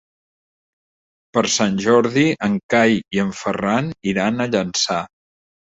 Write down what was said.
Per Sant Jordi en Cai i en Ferran iran a Llançà.